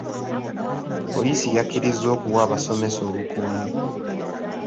Poliisi yakkiriza okuwa abasomesa obukuumi.